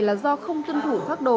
là do không tân thủ phác đồ